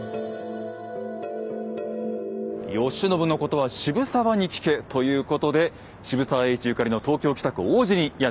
「慶喜のことは渋沢に聞け」ということで渋沢栄一ゆかりの東京・北区王子にやって来ました。